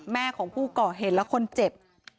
แม่ของคู่เกาะเห็นแล้วคนเจ็บ